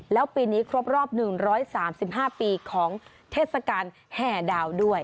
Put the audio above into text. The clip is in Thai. แล้วปีนี้ครบรอบ๑๓๕ปีของเทศกาลแห่ดาวด้วย